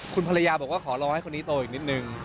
คุณภรรยาบอกว่าขอรอให้คนนี้โตอีกนิดนึง